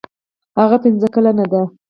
هغه پنځه کلنه ده.